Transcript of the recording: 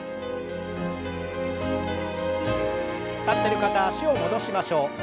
立ってる方は脚を戻しましょう。